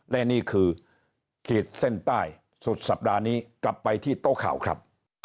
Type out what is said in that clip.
และนี่คือขีดเส้นใต้สุดสัปดาห์นี้กลับไปที่โต๊ะข่าวครับ